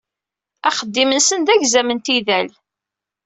Axeddim-nsen d agzam n tidal.